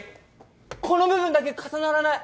この部分だけ重ならない。